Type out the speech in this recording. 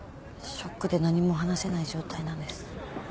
ショックで何も話せない状態なんです。